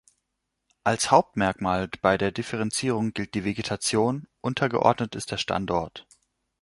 Als Hauptmerkmal bei der Differenzierung gilt die Vegetation, untergeordnet ist der Standort.